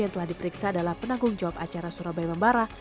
yang telah diperiksa adalah penanggung jawab acara surabaya membara